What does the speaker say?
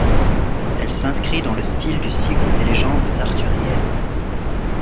Elle s'inscrit dans le style du cycle des légendes arthuriennes.